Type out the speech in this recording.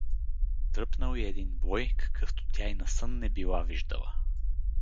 Дръпнал й един бой, какъвто тя и насън не била виждала.